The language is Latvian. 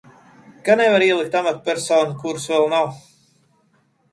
Ka nevar ielikt amatpersonu, kuras vēl nav.